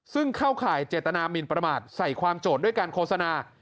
ซึ่งเข้าข่ายเจตนามินประมาทใส่ความโจทย์ด้วยการโฆษณา